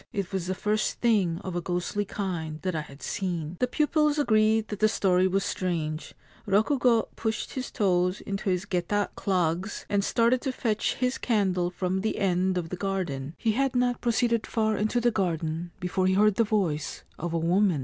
It was the first thing of a ghostly kind that I had seen.' The pupils agreed that the story was strange. Rokugo pushed his toes into his ' geta ' (clogs), and started to fetch his candle from the end of the garden. He had not proceeded far into the garden before he heard the voice of a woman.